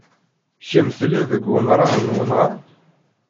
Kemm telliḍ deg wenrar n wenɣa?